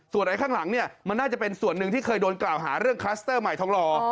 ส่วนไอ้ข้างหลังเนี่ยมันน่าจะเป็นส่วนหนึ่งที่เคยโดนกล่าวหาเรื่องคลัสเตอร์ใหม่ทองหล่อ